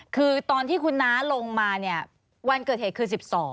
คือตอนที่คุณน้าลงมาเนี่ยวันเกิดเหตุคือ๑๒